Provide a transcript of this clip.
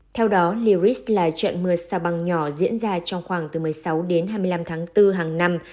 theo đó liris là trận mưa sao bằng nhỏ diễn ra trong khoảng từ một mươi sáu đến hai mươi năm tháng bốn hàng năm